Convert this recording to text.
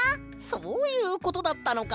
そういうことだったのか。